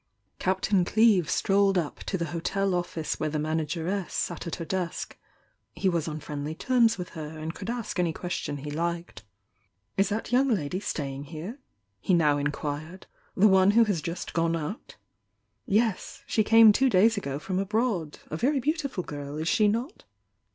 Captain Cleeve strolled up to the hotel office where the man ageress sat at her desk, — ^he was on friendly terms with her, and could ask any question he liked. "Is that young lady sta.ying here?" he now in quired — "The one who has just gone out?" "Yes. She came two days ago from abroad. A very beautiful girl, is she not?"